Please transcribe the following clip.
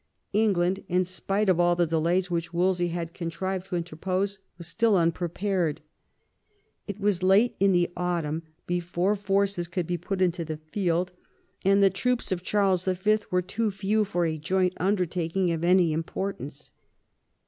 England, in spite of all the delays which Wolsey had contrived to interpose, was still unprepared. It was late in the autumn before forces could be put in the field, and the troops of Charles V. were too few for a joint undertaking of any importance.